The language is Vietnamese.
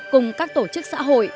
cùng các tổ chức xã hội